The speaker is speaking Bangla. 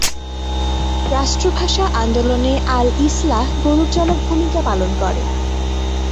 রাষ্ট্রভাষা আন্দোলনে আল ইসলাহ গৌরবজনক ভূমিকা পালন করে।